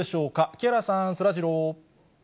木原さん、そらジロー。